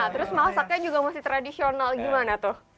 terus masaknya juga masih tradisional gimana tuh